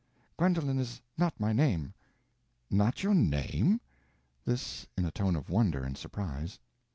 Gwendolen is not my name." "Not your name?" This in a tone of wonder and surprise.